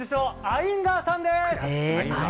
アインガーさんです。